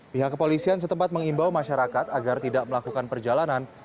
pihak kepolisian setempat mengimbau masyarakat agar tidak melakukan perjalanan